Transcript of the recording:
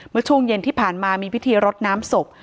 เมื่อช่วงเย็นที่ผ่านมามีพิธีรดน้ำศพ